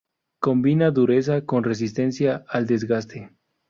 Combina dureza con resistencia al desgaste.